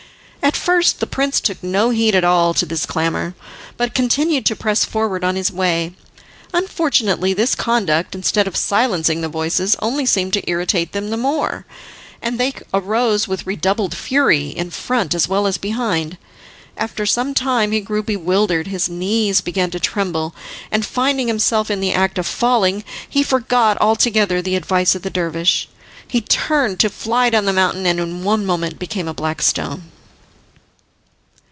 At first the prince took no heed to all this clamour, but continued to press forward on his way. Unfortunately this conduct, instead of silencing the voices, only seemed to irritate them the more, and they arose with redoubled fury, in front as well as behind. After some time he grew bewildered, his knees began to tremble, and finding himself in the act of falling, he forgot altogether the advice of the dervish. He turned to fly down the mountain, and in one moment became a black stone.